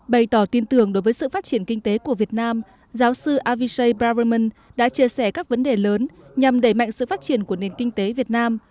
bày tỏ tin tưởng đối với sự phát triển kinh tế của việt nam giáo sư avishai barverman đã chia sẻ các vấn đề lớn nhằm đẩy mạnh sự phát triển của nền kinh tế việt nam